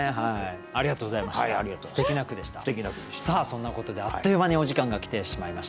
そんなことであっという間にお時間が来てしまいました。